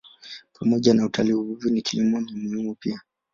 Pamoja na utalii, uvuvi na kilimo ni muhimu pia.